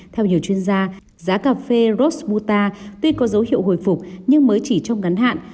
theo nhiều chuyên gia giá cà phê rosbouta tuy có dấu hiệu hồi phục nhưng mới chỉ trong ngắn hạn